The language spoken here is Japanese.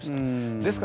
ですから